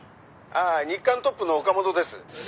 「ああ『日刊トップ』の岡元です」